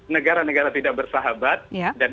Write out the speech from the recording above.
negara negara tidak bersahabat dan